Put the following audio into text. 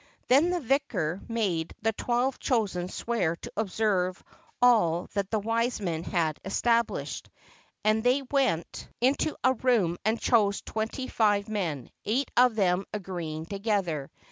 Then the vicar made the twelve chosen swear to observe all that the wise men had established; and they went 52 HOW THE DOGES OF VENICE WERE CHOSEN into a room and chose twenty five men, eight of them agreeing together.